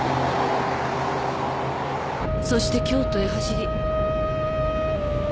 そして京都へ走り。